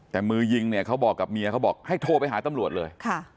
แต่มือยิงเนี่ยเขาบอกกับเมียเขาบอกให้โทรไปหาตำรวจเลย